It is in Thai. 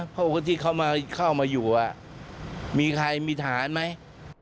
พวกเขาเข้ามาอยู่มีทหารไหม